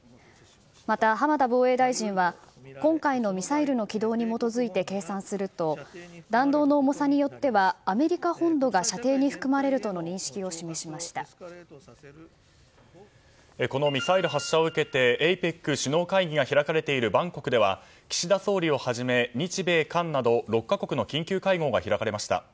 また浜田防衛大臣は今回のミサイルの軌道に基づいて計算すると弾道の重さによってはアメリカ本土が射程にこのミサイル発射を受けてＡＰＥＣ首脳会議が開かれているバンコクでは岸田総理をはじめ日、米、韓など６か国の緊急会合が開かれました。